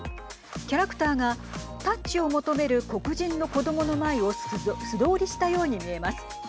キャラクターがタッチを求める黒人の子どもの前を素通りしたように見えます。